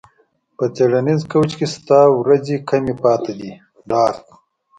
په څیړنیز کوچ ستا ورځې کمې پاتې دي ډارت